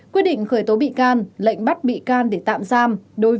quyết định khởi tố bị can lệnh bắt bị can để tạm giam